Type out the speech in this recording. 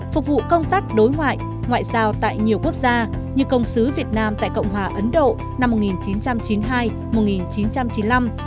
phục vụ công tác đối ngoại ngoại giao tại nhiều quốc gia như công xứ việt nam tại cộng hòa ấn độ năm một nghìn chín trăm chín mươi hai một nghìn chín trăm chín mươi năm